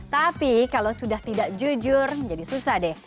tapi kalau sudah tidak jujur jadi susah deh